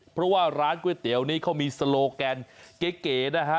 เพราะว่าร้านก๋วยเตี๋ยวนี้เขามีโลแกนเก๋นะฮะ